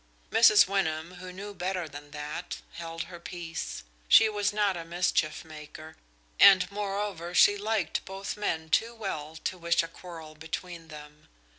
Mrs. Wyndham, who knew better than that, held her peace. She was not a mischief maker, and moreover she liked both the men too well to wish a quarrel between them.